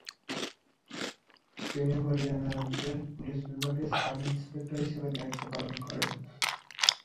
তিনি হরিয়ানা রাজ্যের পুলিশ বিভাগে সাব ইন্সপেক্টর হিসাবে দায়িত্ব পালন করেন।